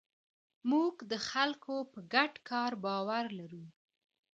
موږ د خلکو په ګډ کار باور لرو.